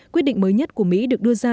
quyết định mới nhất của mỹ được đưa ra